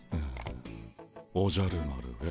「おじゃる丸へ」